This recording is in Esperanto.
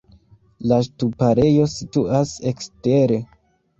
La ŝtuparejo situas ekstere.